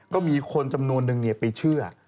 ก็มีคนจำนวนนึงไปเชื่อ